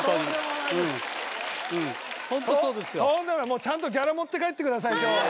もうちゃんとギャラ持って帰ってください今日は。